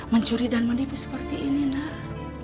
mencuri dan menipu seperti ini nak